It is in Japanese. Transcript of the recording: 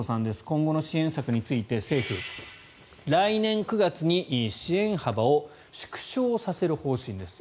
今後の支援策について、政府来年９月に支援幅を縮小させる方針です。